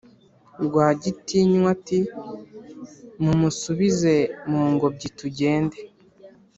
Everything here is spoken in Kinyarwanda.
rwagitinywa ati"mumusubize mungobyi tugende"